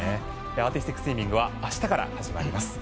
アーティスティックスイミングは明日から始まります。